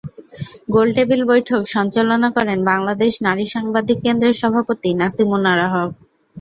গোলটেবিল বৈঠক সঞ্চালনা করেন বাংলাদেশ নারী সাংবাদিক কেন্দ্রের সভাপতি নাসিমুন আরা হক।